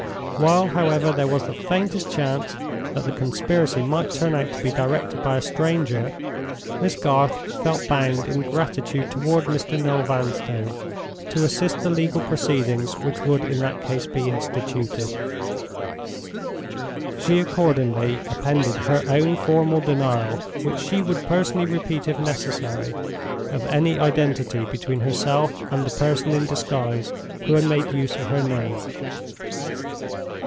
While, however, there was the faintest chance that the conspiracy might turn out to be directed by a stranger, Miss Garth felt bound, in gratitude toward Mr. Noel Vanstone, to assist the legal proceedings which would in that case be instituted. She accordingly appended her own formal denial—which she would personally repeat if necessary—of any identity between herself and the person in disguise who had made use of her name.